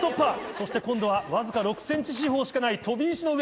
そして今度はわずか６ｃｍ四方しかない飛び石の上。